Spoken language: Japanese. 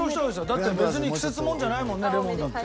だって別に季節ものじゃないもんねレモンだって。